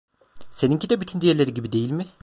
Seninki de bütün diğerleri gibi değil mi?